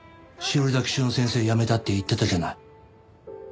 崎中の先生辞めたって言ってたじゃない。